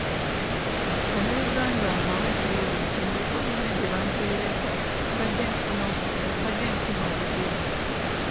Bannayuganda mbawa essuubi nti mu bifo byonna gye mpeerezza mbadde nfuna obukugu.